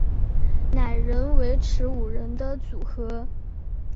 仍然维持五人的组合。